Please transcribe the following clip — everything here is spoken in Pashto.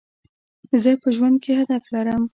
زه په ژوند کي هدف لرم.